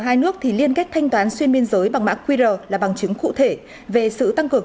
hai nước thì liên kết thanh toán xuyên biên giới bằng mã qr là bằng chứng cụ thể về sự tăng cường